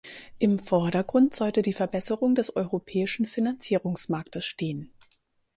Im Vordergrund sollte die Verbesserung des europäischen Finanzierungsmarktes stehen.